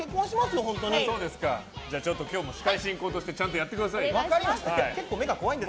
ちょっと今日も司会進行としてちゃんとやってくださいよ。